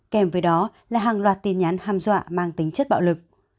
kèm với đó là hàng loạt tin nhắn hàm dọa mang tính chất bạo lực